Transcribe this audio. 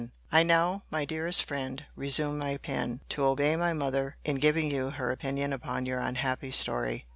I now, my dearest friend, resume my pen, to obey my mother, in giving you her opinion upon your unhappy story.